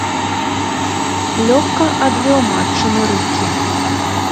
Лёгка адвёў матчыны рукі.